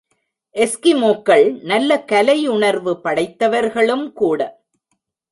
எஸ்கிமோக்கள் நல்ல கலை உணர்வு படைத்தவர்களும் கூட.